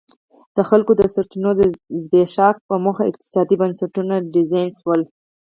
د خلکو د سرچینو زبېښاک په موخه اقتصادي بنسټونه ډیزاین شول.